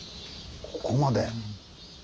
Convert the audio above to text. ここまで。